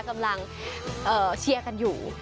กำลังเชียร์กันอยู่